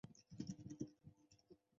全程可常年通航。